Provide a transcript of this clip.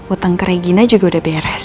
utang ke regina juga udah beres